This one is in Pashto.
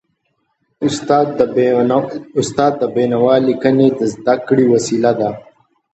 استاد د بينوا ليکني د زده کړي وسیله ده.